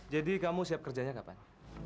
jadi kamu siap kerjanya kapan